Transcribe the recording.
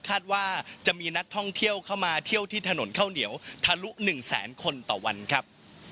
คาดว่าจะมีนักท่องเที่ยวเข้ามาเที่ยวที่ถนนข้าวเหนียวทะลุ๑แสนคนต่อวันครับ